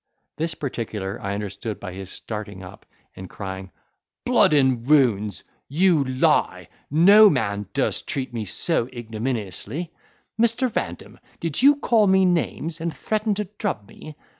This particular I understood by his starting, up and crying, "Blood and wounds, you lie! No man durst treat me so ignominiously. Mr. Random, did you call me names, and threaten to drub me?"